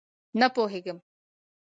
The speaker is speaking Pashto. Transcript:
_نه پوهېږم!